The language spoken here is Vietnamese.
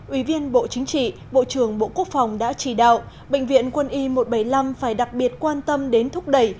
ủy viên bộ chính trị bộ trưởng bộ quốc phòng đã chỉ đạo bệnh viện quân y một trăm bảy mươi năm phải đặc biệt quan tâm đến thúc đẩy